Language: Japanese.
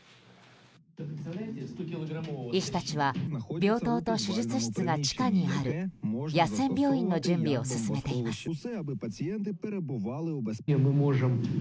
医師たちは病棟と手術室が地下にある野戦病院の準備を進めています。